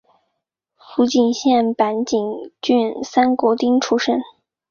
福井县坂井郡三国町出身。